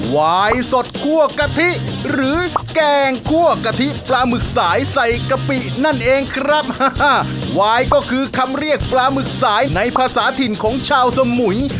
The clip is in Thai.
วายสดคั่วกะทิหรือแกงคั่วกะทิปลาหมึกสายใส่กะปินั่นเองครับวายก็คือคำเรียกปลาหมึกสายในภาษาถิ่นของชาวสมุย